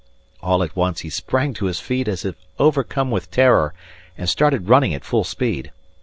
All at once he sprang to his feet as if overcome with terror and started running at full speed.